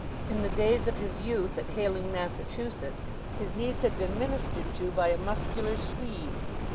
In the days of his youth, at Mayling, Massachusetts, his needs had been ministered to by a muscular Swede.